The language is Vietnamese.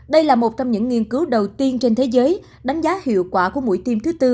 đây là một trong những nghiên cứu đầu tiên trên thế giới đánh giá hiệu quả của mũi tiêm thứ tư